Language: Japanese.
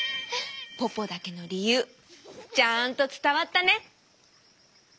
ポポだけのりゆうちゃんとつたわったね。